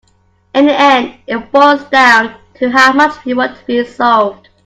In the end it boils down to how much we want it to be solved.